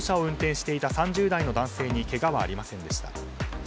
乗用車を運転していた３０代の男性にけがはありませんでした。